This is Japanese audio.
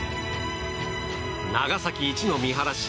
長崎一の見晴らし